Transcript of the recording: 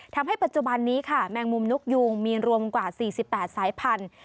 ทำให้ปัจจุบันนี้ค่ะแมงมุมนกยูงมีรวมกว่า๔๘สายพันธุ